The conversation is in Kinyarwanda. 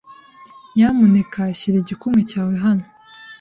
Nyamuneka shyira igikumwe cyawe hano.